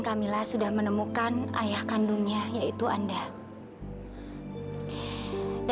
kamilah sudah menemukan ayah kandungnya yaitu anda